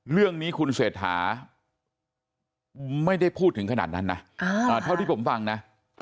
เรื่องนี้คุณเศรษฐาไม่ได้พูดถึงขนาดนั้นนะเท่าที่ผมฟังนะ